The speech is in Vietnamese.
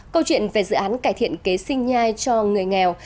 câu chuyện về dự án cải thiện kế sinh nhai cho người nghèo